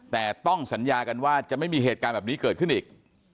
แต่ต้องสัญญากันว่าจะไม่มีเหตุการณ์แบบนี้เกิดขึ้นอีก